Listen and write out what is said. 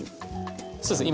そうですね